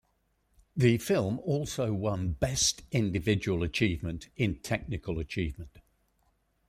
The film also won "Best Individual Achievement" in technical achievement.